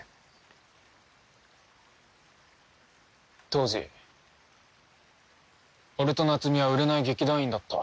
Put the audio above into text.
当時俺と夏美は売れない劇団員だった。